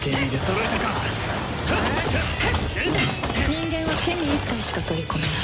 人間はケミー１体しか取り込めない。